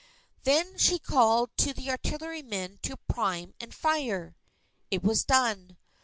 Then she called to the artillerymen to prime and fire. It was done.